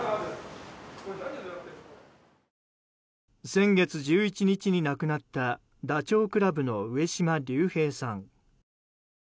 先月１１日に亡くなったダチョウ倶楽部の上島竜兵さん。